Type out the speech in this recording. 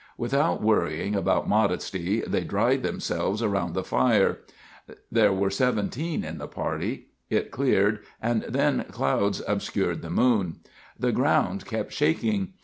Without worrying about modesty, they dried themselves around the fire. There were 17 in the party. It cleared, and then clouds obscured the moon. The ground kept shaking.